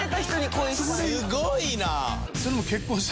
すごいな。